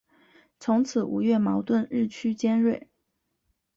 从此吴越矛盾日趋尖锐。